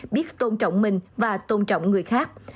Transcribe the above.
biết tôn trọng mình và tôn trọng người khác